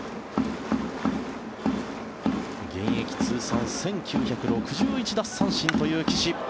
現役通算１９６１奪三振という岸。